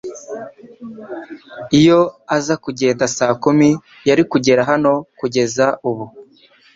Iyo aza kugenda saa kumi, yari kugera hano kugeza ubu.